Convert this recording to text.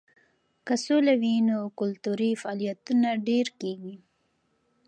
که سوله وي نو کلتوري فعالیتونه ډېر کیږي.